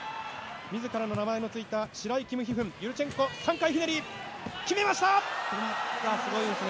自らの名前のついたシライ／キムヒフン、ユルチェンコ３回ひねり、決めますごいですね。